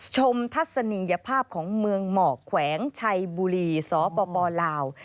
ทัศนียภาพของเมืองหมอกแขวงชัยบุรีสปลาว